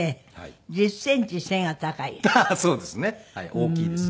大きいです。